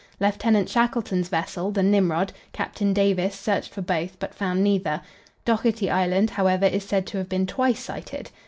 Lieutenant Shackleton's vessel, the Nimrod, Captain Davis, searched for both, but found neither; Dougherty Island, however, is said to have been twice sighted.